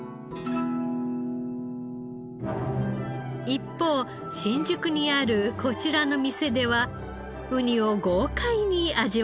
一方新宿にあるこちらの店ではウニを豪快に味わえます。